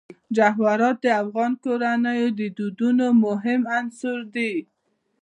جواهرات د افغان کورنیو د دودونو مهم عنصر دی.